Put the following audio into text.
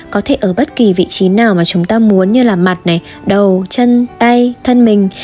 có thể ở bất kỳ vị trí nào mà chúng ta muốn như là mặt này đầu chân tay thân mình